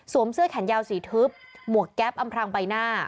เสื้อแขนยาวสีทึบหมวกแก๊ปอำพรางใบหน้า